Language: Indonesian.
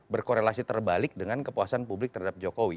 berkorelasi terbalik dengan kepuasan publik terhadap jokowi